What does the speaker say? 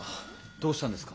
どうしたんですか？